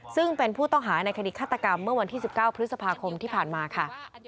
ซึ่งเป็นผู้ต้องหาในคดีฆาตกรรมเมื่อวันที่๑๙พฤษภาคมที่ผ่านมาค่ะ